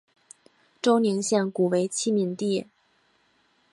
周宁县古为七闽地。